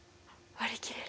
割り切れる。